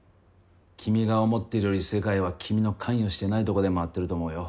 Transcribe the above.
君が思ってるより世界は君の関与してないとこで回ってると思うよ。